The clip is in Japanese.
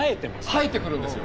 生えてくるんですよ。